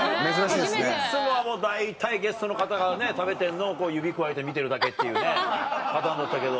いつもはもう大体ゲストの方がね食べてるのを指くわえて見てるだけっていうねパターンだったけど。